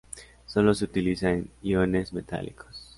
Sólo se utiliza en iones metálicos.